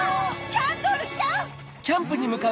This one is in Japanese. キャンドルちゃん！